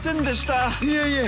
いえいえ。